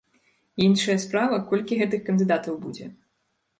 Іншая справа, колькі гэтых кандыдатаў будзе.